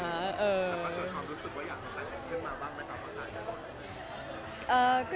เขาอยากจะแต่งตั้งจะเป็นหลายรายรับคนนะครับ